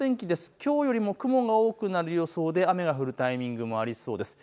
きょうよりも雲が多くなる予想で雨が降るタイミングもありそうです。